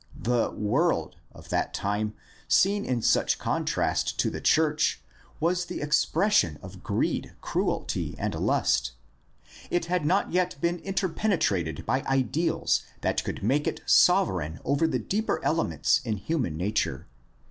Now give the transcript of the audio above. The "world" of that time seen in such contrast to the church was the expression of greed, cruelty, and lust. It had not yet been interpenetrated by ideals that could make it sover eign over the deeper elements in human nature.